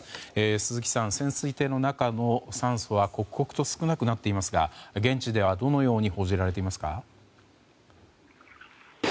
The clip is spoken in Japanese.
鈴木さん、潜水艇の中の酸素は刻々と少なくなってきていますが現地ではどのように報じられていますか。